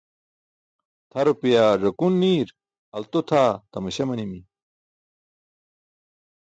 Tʰa rupiyaa żakun niir alto tʰaa tamaśa manimi.